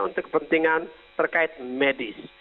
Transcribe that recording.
untuk kepentingan terkait medis